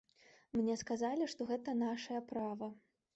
Мне сказалі, што гэта нашае права.